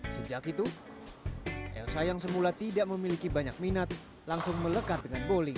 sejak itu elsa yang semula tidak memiliki banyak minat langsung melekat dengan bowling